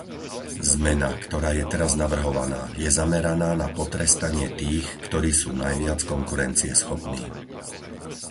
Zmena, ktorá je teraz navrhovaná, je zameraná na potrestanie tých, ktorí sú najviac konkurencieschopní.